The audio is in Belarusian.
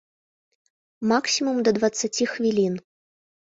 Максімум да дваццаці хвілін.